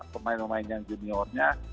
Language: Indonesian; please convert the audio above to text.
pemain pemain yang juniornya